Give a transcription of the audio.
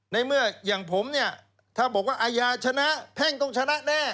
ในเมื่ออย่างผมเนี่ยถ้าบอกว่าอาญาชนะแพ่งต้องชนะแน่